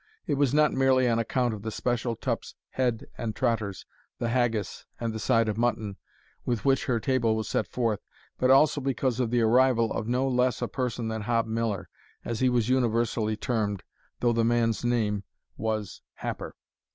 It was not merely on account of the special tup's head and trotters, the haggis and the side of mutton, with which her table was set forth, but also because of the arrival of no less a person than Hob Miller, as he was universally termed, though the man's name was Happer.